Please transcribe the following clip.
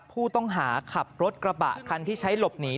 ผู้ต้องหาขับรถกระบะคันที่ใช้หลบหนี